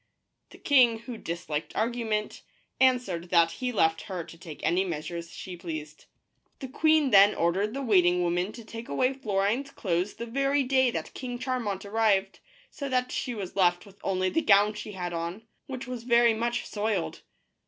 The king, who disliked argument, answered that he left her to take any measures she pleased. The queen then 237 THE BLUE BIRD . ordered the waiting women to take away Florine's clothes the very day that King Charmant arrived, so that she was left with onlv the gown she had on, which was very much soiled.